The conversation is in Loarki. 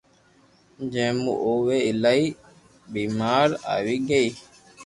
جي مون او ۾ ايلائي بآماريو آوي گئي